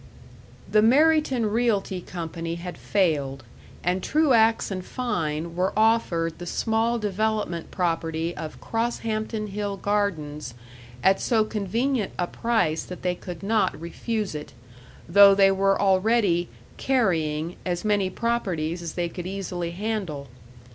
§ 3 The Merryton Realty Company had failed, and Truax & Fein were offered the small development property of Crosshampton Hill Gardens at so convenient a price that they could not refuse it, though they were already "carrying" as many properties as they could easily handle.